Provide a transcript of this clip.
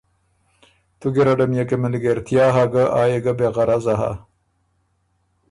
تُو ګیرډه ميې که مِلګېرتیا هۀ ګۀ آ يې ګۀ بې غرضه هۀ